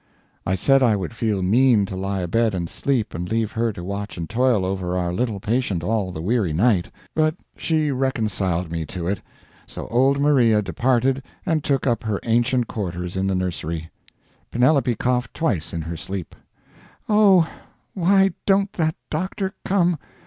I said I would feel mean to lie abed and sleep, and leave her to watch and toil over our little patient all the weary night. But she reconciled me to it. So old Maria departed and took up her ancient quarters in the nursery. Penelope coughed twice in her sleep. "Oh, why don't that doctor come!